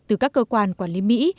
từ các cơ quan quản lý mỹ